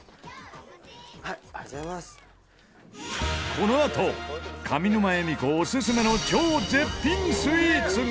このあと上沼恵美子オススメの超絶品スイーツが！